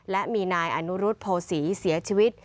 และมีนายอนุรุษโภษีเสียชีวิต